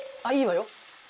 いいわよ。